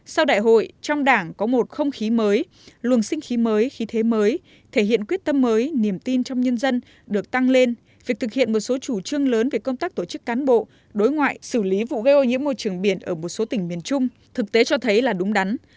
sau đại hội trong đảng có một không khí mới luồng sinh khí mới khí thế mới thể hiện quyết tâm mới niềm tin trong nhân dân được tăng lên việc thực hiện một số chủ trương lớn về công tác tổ chức cán bộ đối ngoại xử lý vụ gây ô nhiễm môi trường biển ở một số tỉnh miền trung thực tế cho thấy là đúng đắn